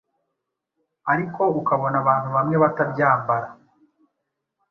ariko ukabona abantu bamwe batabyambara